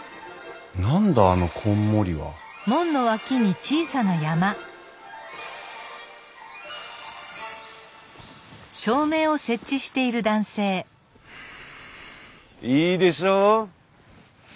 何だあのこんもりは？いいでしょう？